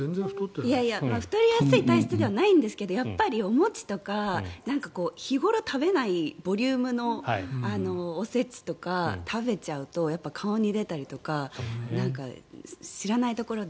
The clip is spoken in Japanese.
いやいや太りやすい体質ではないんですがやっぱりお餅とか日頃食べないボリュームのお節とか食べちゃうとやっぱり顔に出たりとか知らないところで。